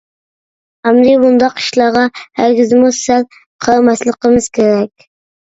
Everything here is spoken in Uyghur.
ئەمدى بۇنداق ئىشلارغا ھەرگىزمۇ سەل قارىماسلىقىمىز كېرەك.